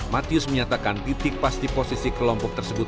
matius menyatakan titik pasti posisi kelompok tersebut